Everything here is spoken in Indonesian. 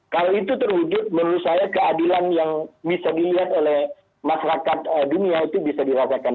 kalau itu terwujud menurut saya keadilan yang bisa dilihat oleh masyarakat dunia itu bisa dirasakan